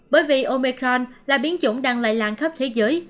bởi vì omecron là biến chủng đang lây lan khắp thế giới